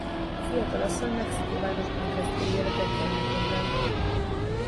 A fiatal asszony Mexikóvárosban kezd új életet gyermekeivel.